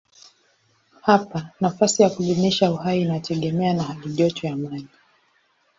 Hapa nafasi ya kudumisha uhai inategemea na halijoto ya maji.